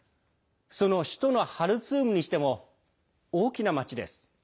その首都のハルツームにしても大きな街です。